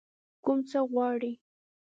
کوم څه غواړئ؟